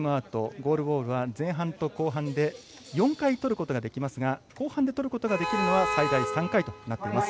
ゴールボールは前半と後半で４回とることができますが後半でとることができるのは最大３回となっています。